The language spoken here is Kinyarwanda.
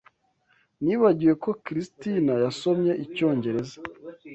Nibagiwe ko Cristina yasomye icyongereza.